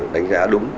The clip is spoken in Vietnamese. đánh giá đúng